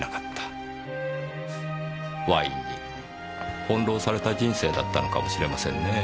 ワインに翻弄された人生だったのかもしれませんねぇ。